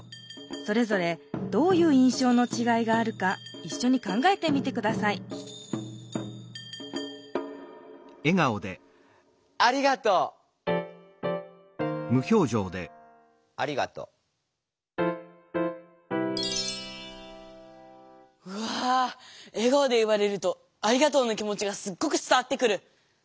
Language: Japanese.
それぞれどういういんしょうのちがいがあるかいっしょに考えてみて下さいありがとう！ありがとう。うわ。え顔で言われるとありがとうの気持ちがすっごく伝わってくる。